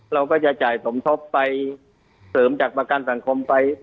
เราก็จะจ่ายสมทบไปเสริมจากประกันสังคมไป